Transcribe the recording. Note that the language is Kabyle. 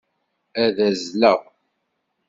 Ad azzleɣ.